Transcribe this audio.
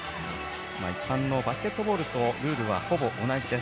一般のバスケットボールとルールはほぼ同じです。